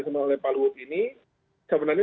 disampaikan oleh pak luwuf ini sebenarnya